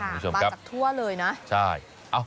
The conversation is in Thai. บ้านจากทั่วเลยนะ